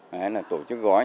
đấy là tổ chức gói